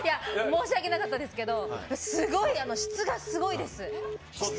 申し訳なかったですけど質がすごいです。